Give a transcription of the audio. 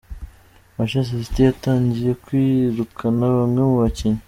Manchester City yatangiye kwirukana bamwe mu bakinnyi .